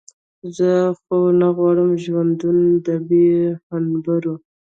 زه خو نه غواړم ژوندون د بې هنبرو.